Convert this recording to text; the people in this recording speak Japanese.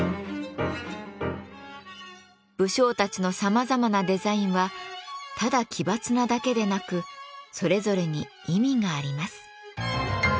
武将たちのさまざまなデザインはただ奇抜なだけでなくそれぞれに意味があります。